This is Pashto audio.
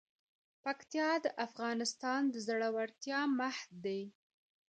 پکتیا د افغانستان د زړورتیا مهد دی.